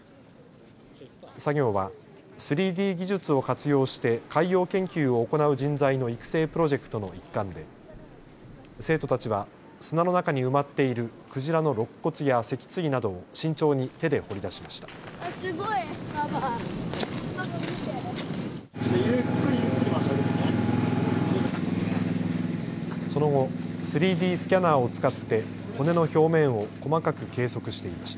作業は３Ｄ技術を活用して海洋研究を行う人材の育成プロジェクトの一環で生徒たちは砂の中に埋まっているクジラのろっ骨や脊椎などを慎重に手で掘り出しました。